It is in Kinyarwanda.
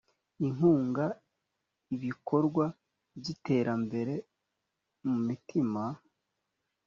inkunga ibkorwa byitera mbere mumitima